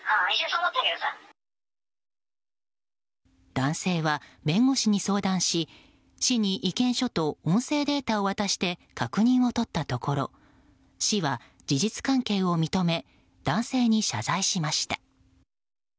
男性は、弁護士に相談し市に意見書と音声データを渡して確認を取ったところ市は、事実関係を認め男性に謝罪しました。